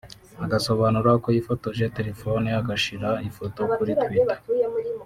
Asobanura uko yifotoje telefone agashyira ifoto kuri twitter